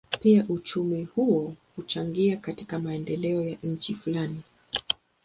Pia uchumi huo huchangia katika maendeleo ya nchi fulani.